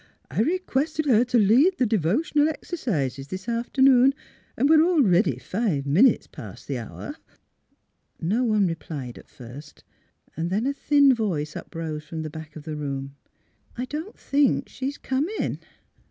I requested her to lead the d'votional ex ercises this afternoon, and we are already five minutes past the hour." No one replied at first; then a thin voice up rose from the back of the room: *' I don't think she's comin'."